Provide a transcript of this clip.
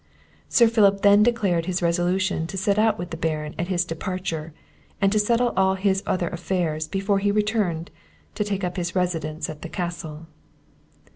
["] Sir Philip then declared his resolution to set out with the Baron at his departure, and to settle all his other affairs before he returned to take up his residence at the Castle.